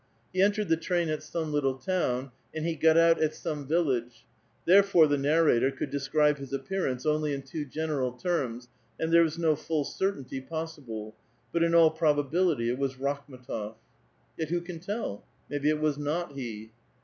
He en tered the train at some little town, and he got out at some village ; therefore the narrator could descril)e his appearance only in too general terms, and there was no full certainty possible ; but in all probability it was Rakhm^tof . Yet who can tell? Mavbc it was not he.